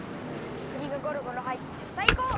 くりがゴロゴロはいっててさいこう！